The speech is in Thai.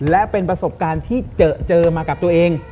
และเป็นประสบการณ์ที่เจอมากับตัวเอง